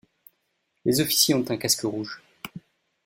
Les officiers ont un casque rouge.